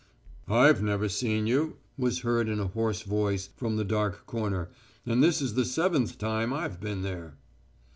"I've never seen you!" was heard in a hoarse voice from the dark corner. "And this is the seventh time I've been there."